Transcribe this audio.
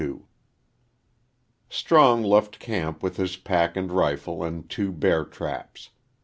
XXXII STRONG left camp with his pack and rifle and two bear traps.